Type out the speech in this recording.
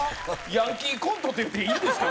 ヤンキーコントって言っていいんですか？